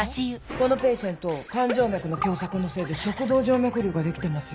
このペイシェント肝静脈の狭窄のせいで食道静脈瘤が出来てますよ。